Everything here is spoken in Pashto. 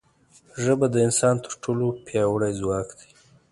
ژبه د انسان تر ټولو پیاوړی ځواک دی